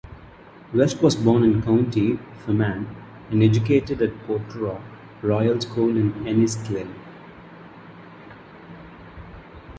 West was born in County Fermanagh and educated at Portora Royal School in Enniskillen.